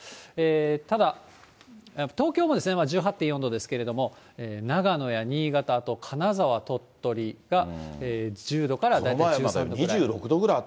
ただ、東京も１８．４度ですけれども、長野や新潟、あと金沢、鳥取が１０度から大体１３度ぐらい。